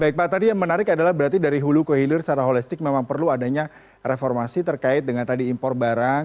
baik pak tadi yang menarik adalah berarti dari hulu ke hilir secara holistik memang perlu adanya reformasi terkait dengan tadi impor barang